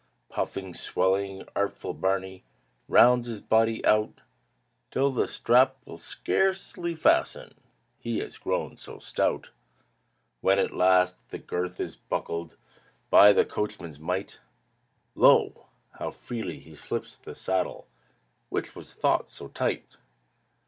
Puffing, swelling, artful Barney Rounds his body out Till the strap will scarcely fasten, He has grown so stout! When at last the girth is buckled By the coachman's might, Lo! how freely slips the saddle, Which was thought so tight.